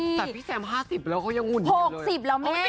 เมื่อเขาไปสาวไหว้น้ำไปเล่นน้ำ